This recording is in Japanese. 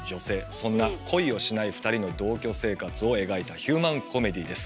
そんな恋をしないふたりの同居生活を描いたヒューマンコメディーです。